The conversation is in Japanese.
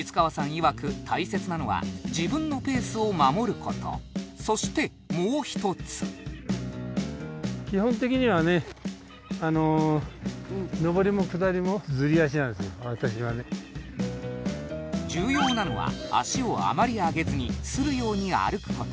いわく大切なのは自分のペースを守ることそしてもう一つ私はね重要なのは足をあまり上げずにするように歩くこと